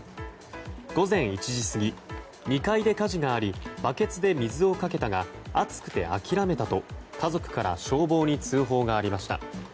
午前１時すぎ、２階で火事がありバケツで水をかけたが熱くて諦めたと家族から消防に通報がありました。